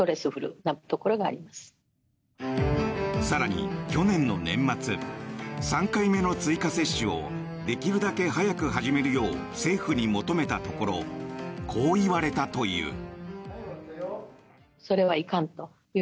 更に、去年の年末３回目の追加接種をできるだけ早く始めるよう政府に求めたところこう言われたという。